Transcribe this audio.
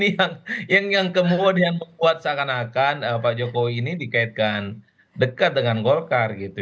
yang kemudian membuat seakan akan pak jokowi ini dikaitkan dekat dengan golkar gitu